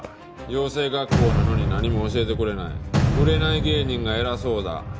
「養成学校なのに何も教えてくれない」「売れない芸人が偉そうだ」